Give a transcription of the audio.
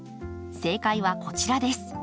正解はこちらです。